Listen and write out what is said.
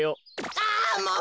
あもう！